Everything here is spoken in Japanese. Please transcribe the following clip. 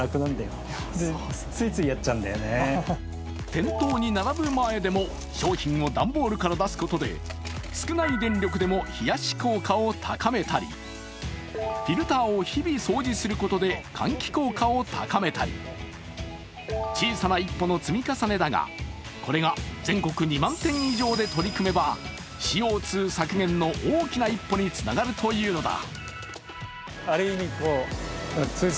店頭に並ぶ前でも商品を段ボールから出すことで少ない電力でも冷やし効果を高めたり、フィルターを日々掃除することで換気効果を高めたり、小さな一歩の積み重ねだが、これが全国２万店以上で取り組めばＣＯ２削減の大きな一歩につながるというのだ。